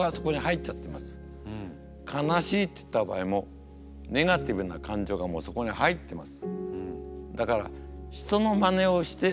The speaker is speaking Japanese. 悲しいっていった場合もネガティブな感情がもうそこに入っています。